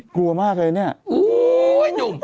กลัวมากเลยเนี่ย